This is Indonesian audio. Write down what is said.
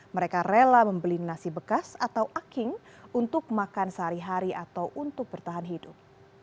mereka rela membeli nasi bekas atau aking untuk makan sehari hari atau untuk bertahan hidup